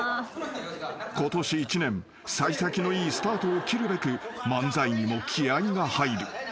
［ことし一年幸先のいいスタートを切るべく漫才にも気合が入る］